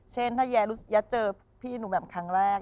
เช่นถ้าย้าเจอพี่หนูแบบครั้งแรก